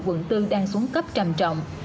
quận bốn đang xuống cấp trầm trọng